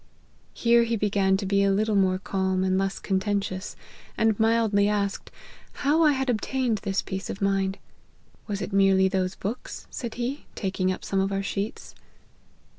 Here he began to be a little more calm and less contentious, and mildly asked, how I had obtained this peace of mind ;' Was it merely those books ?' said he, taking up some of our sheets.